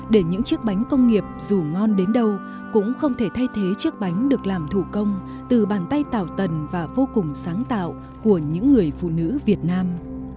để những chiếc bánh công nghiệp dù ngon đến đâu cũng không thể thay thế chiếc bánh được làm thủ công từ bàn tay tảo tần và vô cùng sáng tạo của những người phụ nữ việt nam